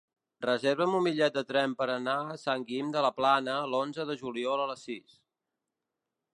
Reserva'm un bitllet de tren per anar a Sant Guim de la Plana l'onze de juliol a les sis.